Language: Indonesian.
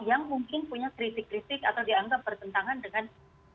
yang mungkin punya kritik kritik atau dianggap bertentangan dengan